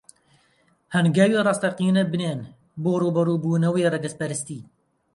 هەنگاوی ڕاستەقینە بنێن بۆ ڕووبەڕووبوونەوەی ڕەگەزپەرستی